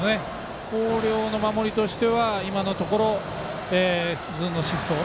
広陵の守りとしては今のところ普通のシフト。